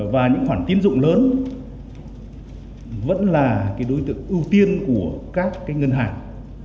và những khoản tiến dụng lớn vẫn là đối tượng ưu tiên của các ngân hàng